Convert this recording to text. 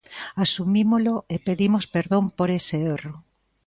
Asumímolo e pedimos perdón por ese erro.